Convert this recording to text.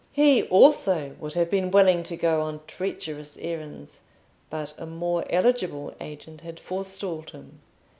He also would have been willing to go on treacherous errands, but a more eligible agent had forestalled him.